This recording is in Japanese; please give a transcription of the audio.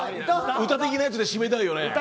歌的なやつで締めたいよね。